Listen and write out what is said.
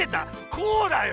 こうだよ！